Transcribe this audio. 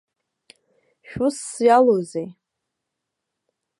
Шәусс иалоузеи?